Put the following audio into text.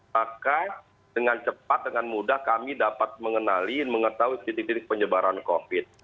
maka dengan cepat dengan mudah kami dapat mengenali dan mengetahui titik titik penyebaran covid